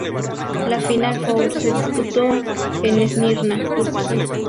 La final four se disputó en Esmirna, Turquía.